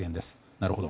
なるほど。